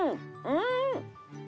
うん！